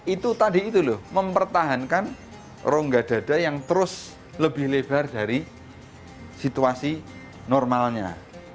itu tadi itu loh mempertahankan rongga dada yang terus lebih lebar dari situasi normalnya